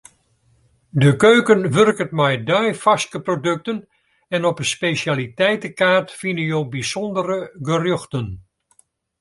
De keuken wurket mei deifarske produkten en op 'e spesjaliteitekaart fine jo bysûndere gerjochten.